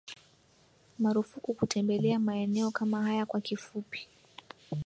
marufuku kutembelea maeneo kama haya kwa kifupi